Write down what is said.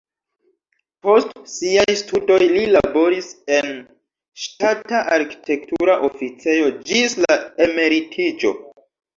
Post siaj studoj li laboris en ŝtata arkitektura oficejo ĝis la emeritiĝo.